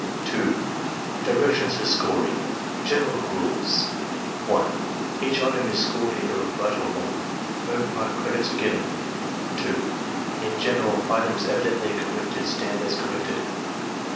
2. DIRECTIONS FOR SCORING General Rtiles 1. Each item is scored either right or wrong. No part credits are given. 2. In general, items evidently corrected stand as corrected.